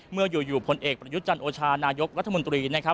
เมื่ออยู่ผลเอกประยุจจันทร์โอชานายกรัฐมนตรี